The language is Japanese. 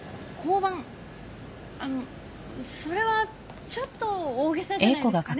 あのそれはちょっと大げさじゃないですかね。